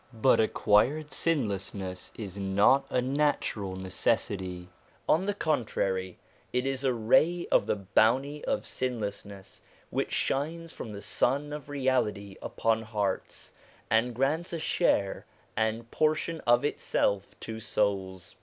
But acquired sinlessness is not a natural necessity ; on the contrary, it is a ray of the bounty of Sinlessness which shines from the Sun of Reality upon hearts, and grants a share and portion of itself to souls.